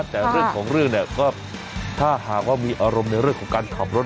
แต่เรื่องของเรื่องเนี่ยก็ถ้าหากว่ามีอารมณ์ในเรื่องของการขับรถ